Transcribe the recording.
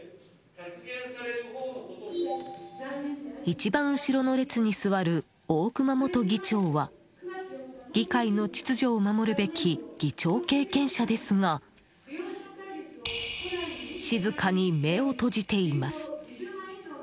一番後ろの列に座る大熊元議長は議会の秩序を守るべき議長経験者ですが静かに目を閉じています。